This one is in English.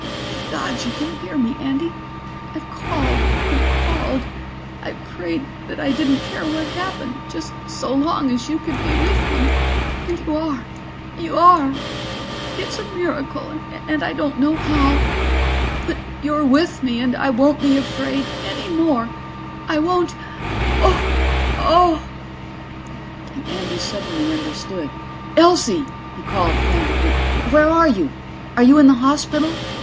"Thank God you can hear me, Andy. I've called and called. I prayed that I didn't care what happened, just so long as you could be with me. And you are, you are. It's a miracle and I don't know how. But you're with me and I won't be afraid any more. I won't ... oh ... oh ..."Andy suddenly understood. "Elsie," he cried frantically. "Where are you? Are you in the hospital?